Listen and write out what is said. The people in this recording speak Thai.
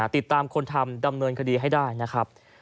ติดตามคนทำดำเนินคดีให้ได้นะครับ